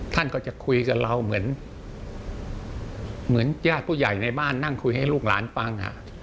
ท่านก็จะคุยกับเราเหมือนญาติผู้ใหญ่ในบ้านนั่งคุยให้ลูกหลานฟัง